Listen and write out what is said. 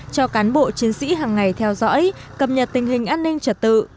cho cán bộ chiến sĩ hàng ngày theo dõi cập nhật tình hình an ninh trật tự